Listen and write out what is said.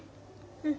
うん。